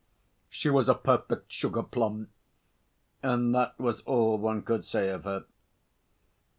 She was a perfect sugar plum, and that was all one could say of her.